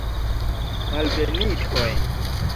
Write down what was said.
Malbenitoj!